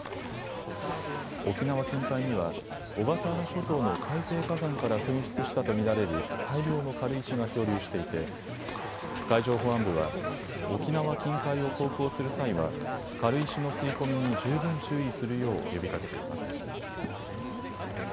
沖縄近海には小笠原諸島の海底火山から噴出したと見られる大量の軽石が漂流していて海上保安部は沖縄近海を航行する際は軽石の吸い込みに十分注意するよう呼びかけています。